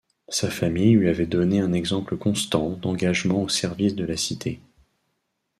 Sa famille lui avait donné un exemple constant d'engagement au service de la Cité.